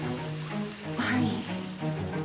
はい。